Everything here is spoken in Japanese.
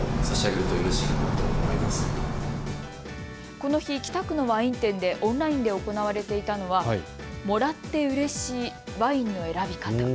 この日、北区のワイン店でオンラインで行われていたのはもらってうれしいワインの選び方。